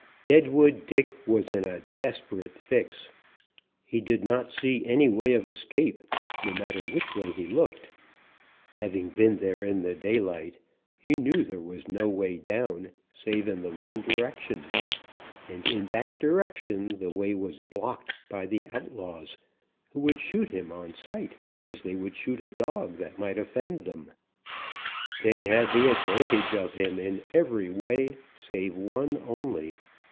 Deadwood Dick was in a desperate fix. He did not see any way of escape, no matter which way he looked. Having been there in the daylight, he knew there was no way down save in the one direction. And in that direction the way was blocked by the outlaws, who would shoot him on sight as they would shoot a dog that might offend them. They had the advantage of him in every way save one only.